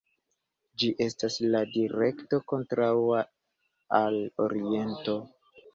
Ĝi estas la direkto kontraŭa al oriento.